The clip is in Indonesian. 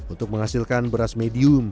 untuk menghasilkan beras medium